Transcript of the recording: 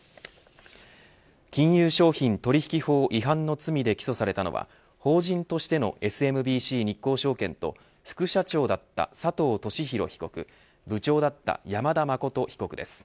金融商品取引法違反の罪で起訴されたのは法人としてのＳＭＢＣ日興証券と副社長だった佐藤俊弘被告部長だった山田誠被告です。